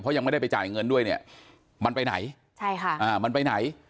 ยังไม่ได้ไปจ่ายเงินด้วยเนี่ยมันไปไหนใช่ค่ะอ่ามันไปไหน